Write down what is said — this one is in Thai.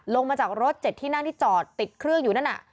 ลงมาจากรถ๗ที่นั่งที่จอดติดเครื่องอยู่นั่นน่ะ